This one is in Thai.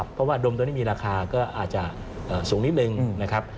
เพราะว่าดมตัวนี้มีราคาก็อาจจะสูงนิดนึงนะครับ